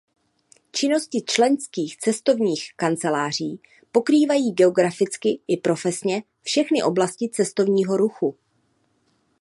Činnosti členských cestovních kanceláří pokrývají geograficky i profesně všechny oblasti cestovního ruchu.